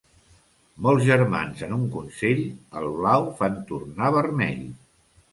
Molts germans en un consell, el blau fan tornar vermell.